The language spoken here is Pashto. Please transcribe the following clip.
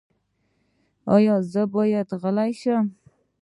ایا زه باید غل شم؟